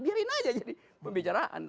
biarin aja jadi pembicaraan